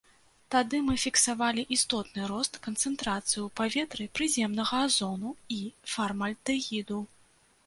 Тады мы фіксавалі істотны рост канцэнтрацыі ў паветры прыземнага азону і фармальдэгіду.